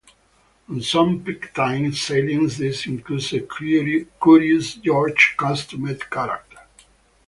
On some peak time sailings this includes a Curious George costumed character.